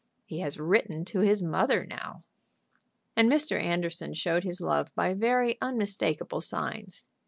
He has written to his mother now." And Mr. Anderson showed his love by very unmistakable signs.